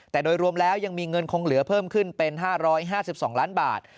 แต่โดยรวมแล้วยังมีเงินคงเหลือเพิ่มขึ้นเป็น๕๕๒ล้านบาท